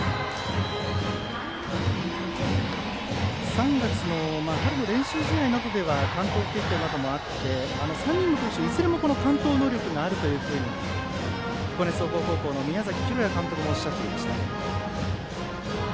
３月の春の練習試合などでは完投経験などもあって３人の投手いずれも完投能力があると彦根総合高校の宮崎裕也監督もおっしゃっています。